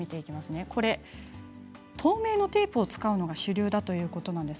透明のテープを使うのが主流だということです。